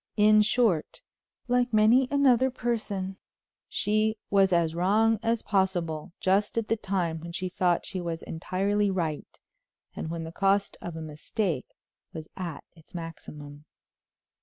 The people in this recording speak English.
In short, like many another person, she was as wrong as possible just at the time when she thought she was entirely right, and when the cost of a mistake was at its maximum.